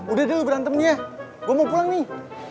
udah deh lo berantem nih ya gue mau pulang nih